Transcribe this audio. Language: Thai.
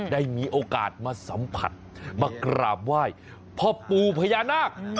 ได้มีโอกาสมาสัมผัสมากราบไหว้พ่อปู่พญานาค